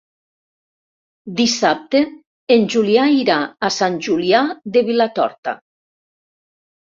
Dissabte en Julià irà a Sant Julià de Vilatorta.